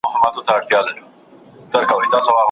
صالحه ميرمن د ښو اخلاقو مثال وي.